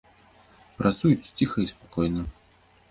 Працуюць ціха і спакойна.